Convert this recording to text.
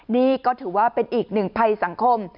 นี่ก็ถือว่าเป็นอีกหนึ่งภัยสังคม